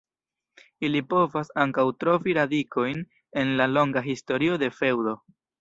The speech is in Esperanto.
Ili povas ankaŭ trovi radikojn en la longa historio de feŭdo.